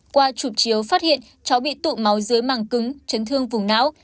qua chụp chiếu phát hiện cháu bị tụ máu dưới màng cứng chấn thương vùng não